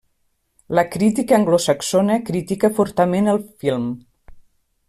La crítica anglosaxona critica fortament el film.